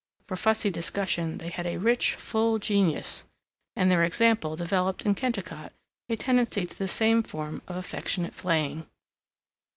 For fussy discussion they had a rich, full genius, and their example developed in Kennicott a tendency to the same form of affectionate flaying.